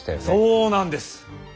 そうなんです。